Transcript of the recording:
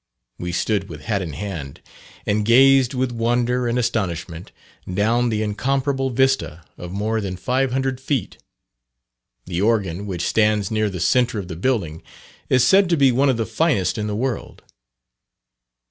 We stood with hat in hand, and gazed with wonder and astonishment down the incomparable vista of more than five hundred feet. The organ, which stands near the centre of the building, is said to be one of the finest in the world.